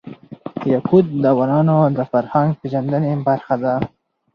یاقوت د افغانانو د فرهنګ پیژندني برخه ده.